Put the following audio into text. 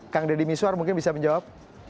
kang deddy miswar mungkin bisa menjawab